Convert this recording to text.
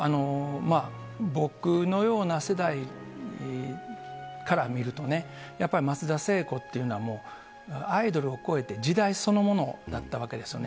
僕のような世代から見るとね、やっぱり松田聖子っていうのはアイドルを超えて時代そのものだったわけですよね。